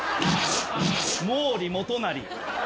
毛利元就。